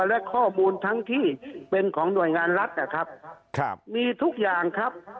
และข้อมูลทั้งที่เป็นของหน่วยงานรัฐนะครับครับมีทุกอย่างครับ